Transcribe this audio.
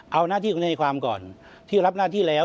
เอาหน้าที่ของทนายความก่อนที่รับหน้าที่แล้ว